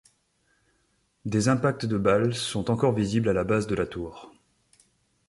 Des impacts de balles sont encore visibles à la base de la tour.